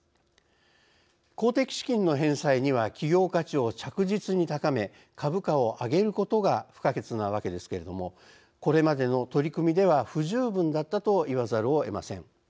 公的資金の返済には企業価値を着実に高め株価を上げることが不可欠なわけですけれどもこれまでの取り組みでは不十分だったと言わざるをえません。